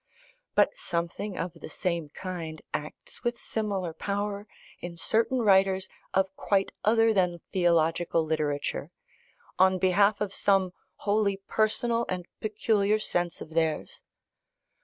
But something of the same kind acts with similar power in certain writers of quite other than theological literature, on behalf of some wholly personal and peculiar sense of theirs.